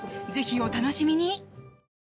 ぜひお楽しみに！